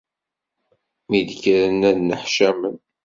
Mi d-kkren, ad nneḥcamen.